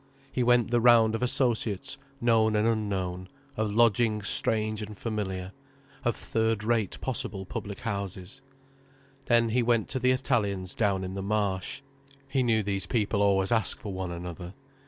He went the round of associates known and unknown, of lodgings strange and familiar, of third rate possible public houses. Then he went to the Italians down in the Marsh—he knew these people always ask for one another.